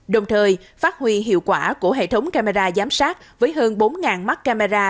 đồng thời phát huy hiệu quả của hệ thống camera giám sát với hơn bốn mắt camera